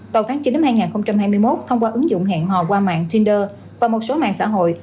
vào tháng chín năm hai nghìn hai mươi một thông qua ứng dụng hẹn hò qua mạng tinder và một số mạng xã hội